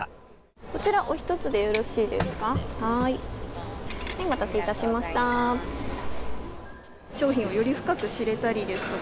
こちら、お一つでよろしいですか？